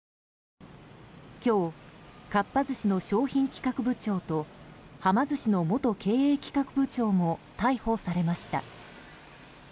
今日、かっぱ寿司の商品企画部長とはま寿司の元経営企画部長も逮捕されました。